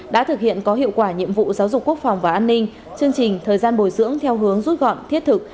đã thực hiện có hiệu quả nhiệm vụ giáo dục quốc phòng và an ninh chương trình thời gian bồi dưỡng theo hướng rút gọn thiết thực